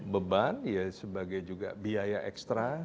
beban ya sebagai juga biaya ekstra